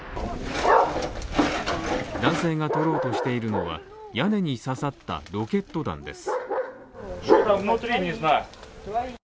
男性が取ろうとしているのは屋根に刺さったロケット弾です。